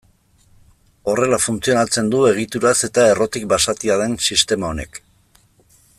Horrela funtzionatzen du egituraz eta errotik basatia den sistema honek.